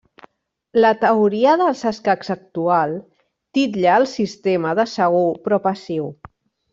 La Teoria dels escacs actual titlla el sistema de segur però passiu.